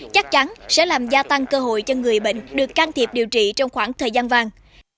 chắc chắn sẽ làm gia tăng cơ hội cho người bệnh được can thiệp điều trị trong khoảng thời gian vàng